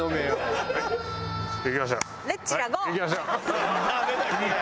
はい行きましょう。